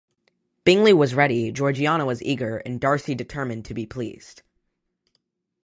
Bingley was ready, Georgiana was eager, and Darcy determined, to be pleased.